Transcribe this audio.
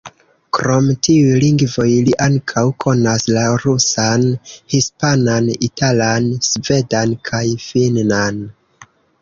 Krom tiuj lingvoj li ankaŭ konas la rusan, hispanan, italan, svedan kaj finnan.